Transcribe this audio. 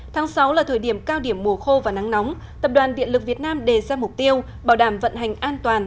tháng sáu là thời điểm cao điểm mùa khô và nắng nóng tập đoàn điện lực việt nam đề ra mục tiêu bảo đảm vận hành an toàn